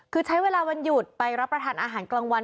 คือใช้เวลาวันหยุดไปรับประทานอาหารกลางวัน